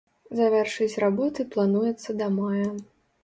Завяршыць работы плануецца да мая.